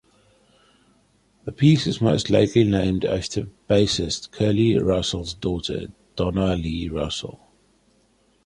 The piece is most likely named after bassist Curly Russell's daughter, Donna Lee Russell.